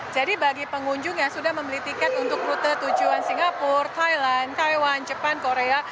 jadi bagi pengunjung yang sudah membeli tiket untuk rute tujuan singapura thailand taiwan jepang korea